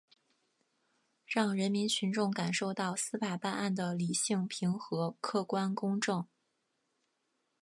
让人民群众感受到司法办案的理性平和、客观公正